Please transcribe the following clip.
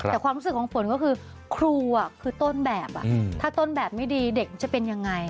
แต่ความรู้สึกของฝนก็คือครูคือต้นแบบถ้าต้นแบบไม่ดีเด็กจะเป็นยังไง